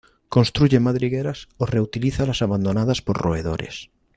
Construye madrigueras o reutiliza las abandonadas por roedores.